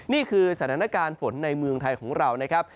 นี่คือสถานการณ์ฝนในเมืองไทยของเรานะครับ